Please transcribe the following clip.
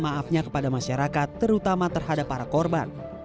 maafnya kepada masyarakat terutama terhadap para korban